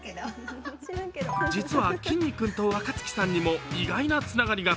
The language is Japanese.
実は、きんに君と若槻さんにも意外なつながりが。